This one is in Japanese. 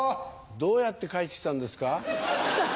どうやって帰ってきたんですか？